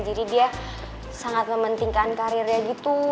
jadi dia sangat mementingkan karirnya gitu